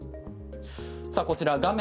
こちら画面